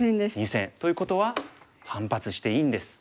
２線。ということは反発していいんです。